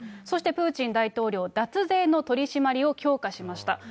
そしてプーチン大統領、脱税の取締りを強化しました。